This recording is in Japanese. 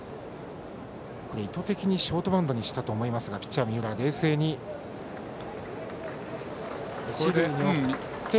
意図的にショートバウンドにしたと思いますがピッチャーの三浦は冷静に一塁へ送って。